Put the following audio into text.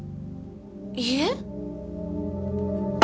いいえ。